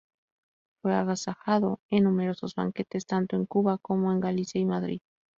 Fue agasajado en numerosos banquetes tanto en Cuba como en Galicia y Madrid.